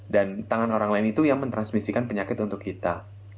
tangan orang lain itu yang mentransmisikan penyakit untuk kita